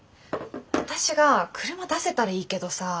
私が車出せたらいいけどさあ。